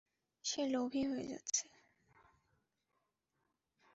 সে লোভী হয়ে যাচ্ছে।